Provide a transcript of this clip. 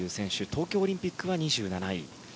東京オリンピックは２７位。